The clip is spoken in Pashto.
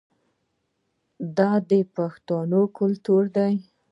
دا د پښتنو کلتور دی.